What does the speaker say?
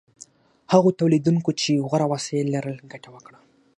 هغو تولیدونکو چې غوره وسایل لرل ګټه وکړه.